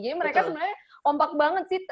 jadi mereka sebenarnya kompak banget sih